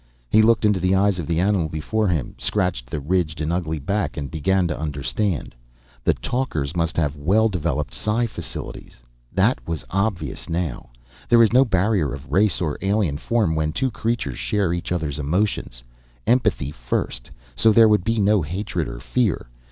He looked into the eyes of the animal before him, scratched the ridged and ugly back, and began to understand. The talkers must have well developed psi facilities, that was obvious now. There is no barrier of race or alien form when two creatures share each other's emotions. Empathy first, so there would be no hatred or fear.